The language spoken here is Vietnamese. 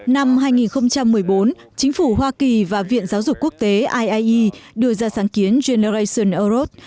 năm hai nghìn một mươi bốn chính phủ hoa kỳ và viện giáo dục quốc tế iie đưa ra sáng kiến generation europe